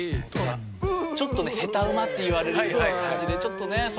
ちょっとねヘタウマって言われるような感じでちょっとね